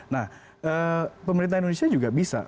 nah pemerintah indonesia juga bisa